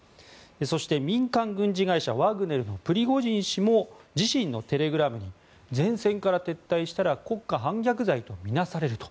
そして、民間軍事会社ワグネルのプリゴジン氏も自身のテレグラムに前線から撤退したら国家反逆罪と見なされると。